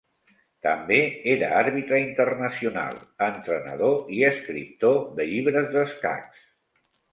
També era Àrbitre Internacional, entrenador i escriptor de llibres d'escacs.